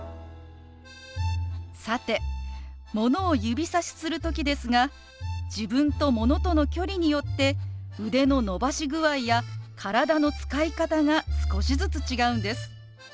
さてものを指さしする時ですが自分とものとの距離によって腕の伸ばし具合や体の使い方が少しずつ違うんです。